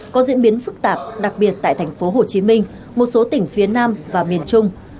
có diễn biến phức tạp đặc biệt tại thành phố hồ chí minh một số tỉnh phía nam và miền trung